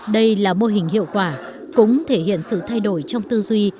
đây là mô hình hiệu quả cũng thể hiện sự thay đổi trong tư duy